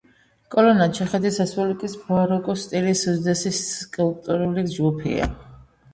კოლონა ჩეხეთის რესპუბლიკის ბაროკოს სტილის უდიდესი სკულპტურული ჯგუფია.